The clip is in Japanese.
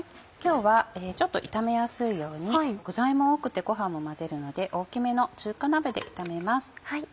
今日はちょっと炒めやすいように具材も多くてご飯も混ぜるので大きめの中華鍋で炒めます。